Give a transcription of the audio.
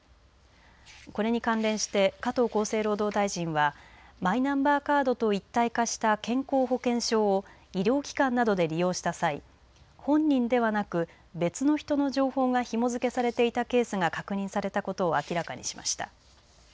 これに関連して加藤厚生労働大臣はマイナンバーカードと一体化した健康保険証を医療機関などで利用した際本人ではなく別の人の情報がひも付けされていたケースが確認されたことを明らかにしました。